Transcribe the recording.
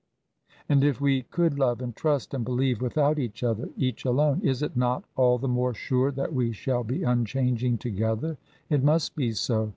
And if we could love, and trust, and believe without each other, each alone, is it not all the more sure that we shall be unchanging together? It must be so.